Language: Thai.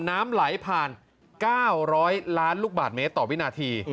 น้ำไหลผ่าน๙๐๐ล้านลูกบาทเมตรต่อวินาที